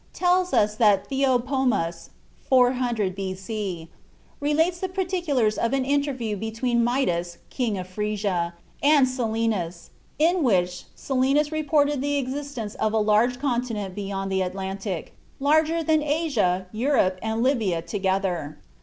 tells us that Theopompus (400 B.C.) related the particulars of an interview between Midas, King of Phrygia, and Silenus, in which Silenus reported the existence of a great continent beyond the Atlantic, "larger than Asia, Europe, and Libya together."